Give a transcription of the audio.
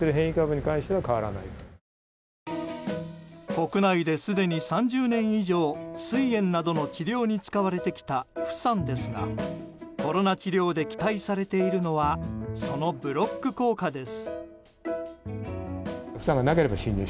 国内ですでに３０年以上膵炎などの治療に使われてきたフサンですがコロナ治療で期待されているのはそのブロック効果です。